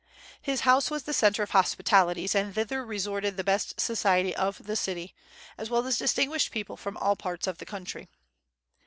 His house was the centre of hospitalities, and thither resorted the best society of the city, as well as distinguished people from all parts of the country.